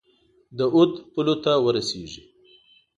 د اود پولو ته ورسیږي.